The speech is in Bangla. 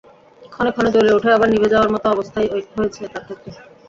ক্ষণে ক্ষণে জ্বলে ওঠে আবার নিভে যাওয়ার মতো অবস্থাই হয়েছে তাঁর ক্ষেত্রে।